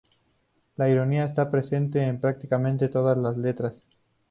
La ironía está presente en prácticamente todas las letras.